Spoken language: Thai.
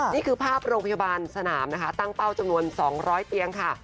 นี่คือภาพโรงพยาบาลสนามนะคะตั้งเป้าจำนวน๒๐๐เตียงค่ะ